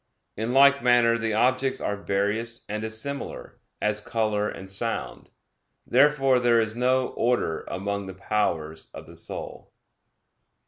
In like manner the objects are various and dissimilar, as color and sound. Therefore there is no order among the powers of the soul.